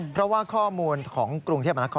เพราะว่าข้อมูลของกรุงเทพมนาคม